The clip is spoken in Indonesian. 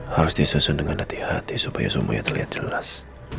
harus disusun dengan hati hati supaya semuanya terlihat jelas